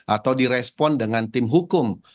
atau direspon dengan tim hukum